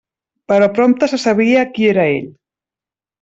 Però prompte se sabria qui era ell.